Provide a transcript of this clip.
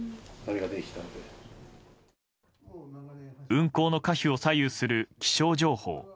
運航の可否を左右する気象情報。